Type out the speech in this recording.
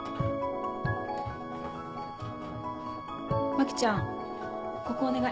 牧ちゃんここお願い。